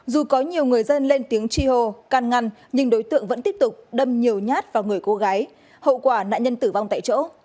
dù có nhiều người dân lên tiếng chi hô can ngăn nhưng đối tượng vẫn tiếp tục đâm nhiều nhát vào người cô gái hậu quả nạn nhân tử vong tại chỗ